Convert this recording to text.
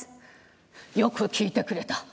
「よく聞いてくれた。